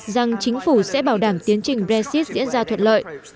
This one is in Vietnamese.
rằng chính phủ sẽ bảo đảm tiến trình brexit diễn ra thuận lợi